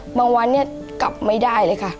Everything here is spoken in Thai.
วันเนี่ยกลับไม่ได้เลยค่ะ